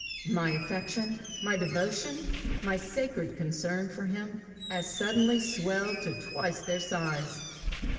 My affection, my devotion, my sacred concern for him, as suddenly swelled to twice their size.